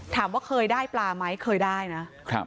ถามว่าเคยได้ปลาไหมเคยได้นะ